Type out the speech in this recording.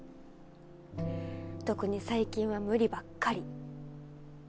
特に最近は無理ばっかり。